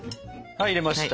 はい入れました。